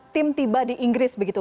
tim tiba di inggris begitu